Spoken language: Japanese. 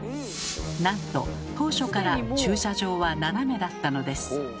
なんと当初から駐車場は斜めだったのです。